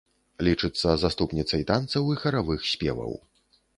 Лічыцца заступніцай танцаў і харавых спеваў.